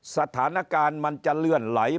สถานการณ์มันจะเลื่อนไหล